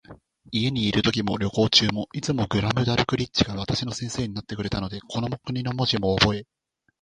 家にいるときも、旅行中も、いつもグラムダルクリッチが私の先生になってくれたので、この国の文字もおぼえ、